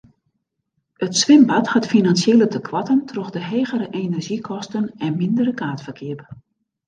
It swimbad hat finansjele tekoarten troch de hegere enerzjykosten en mindere kaartferkeap.